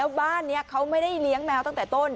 บ้านนี้เขาไม่ได้เลี้ยงแมวตั้งแต่ต้น